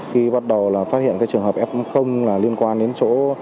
khi bắt đầu phát hiện trường hợp f liên quan đến chỗ